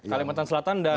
kalimantan selatan dan